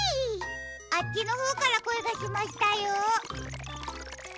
あっちのほうからこえがしましたよ。